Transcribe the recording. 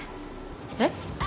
えっ？